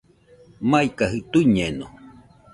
Maikajɨ tuiñeno